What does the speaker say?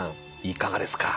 いかがですか？